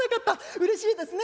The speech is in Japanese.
うれしいですね」。